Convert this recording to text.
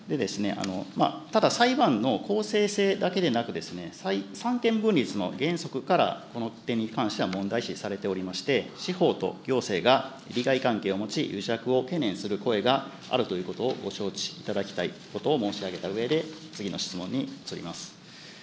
ただ裁判の公正性だけでなくですね、三権分立の原則からこの点に関しては問題視されておりまして、司法と行政が利害関係を持ち、癒着を懸念する声があるということをご承知いただきたいことを申し上げたうえで、次の質問に移ります。